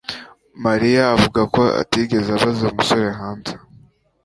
Mariya avuga ko atigeze abaza umusore hanze